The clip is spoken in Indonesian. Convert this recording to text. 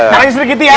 makanya seperti itu ya